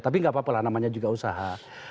tapi nggak apa apa lah namanya juga usaha